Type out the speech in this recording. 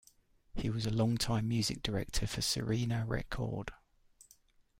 He was a long-time music director for Syrena Rekord.